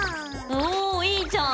おいいじゃん！